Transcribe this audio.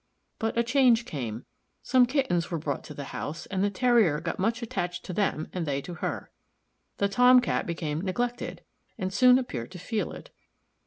But a change came. Some kittens were brought to the house, and the Terrier got much attached to them and they to her. The Tom cat became neglected, and soon appeared to feel it.